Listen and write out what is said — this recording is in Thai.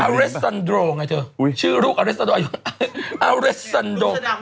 อาริซัลโดชื่อลูกอาริซันโด